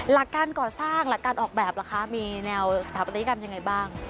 หลักการก่อสร้างหลักการออกแบบล่ะคะมีแนวสถาปัตยกรรมยังไงบ้าง